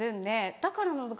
だからなのか